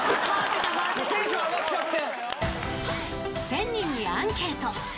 テンション上がっちゃって。